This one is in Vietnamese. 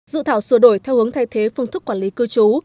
dự thảo sửa đổi theo hướng thay thế phương thức quản lý cư trú